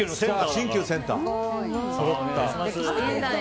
新旧センターそろった。